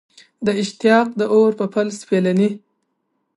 د اشتیاق د اور په پل سپېلني